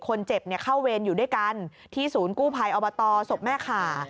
คนเจ็บเข้าเวรอยู่ด้วยกันที่ศูนย์กู้ภัยอบตศพแม่ขา